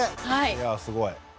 いやすごい。